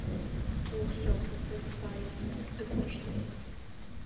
Опсэу, тэ тыфаеп, тыкӏощтэп.